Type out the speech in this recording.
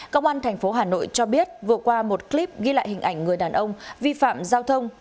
công an tp hà nội cho biết vừa qua một clip ghi lại hình ảnh người đàn ông vi phạm giao thông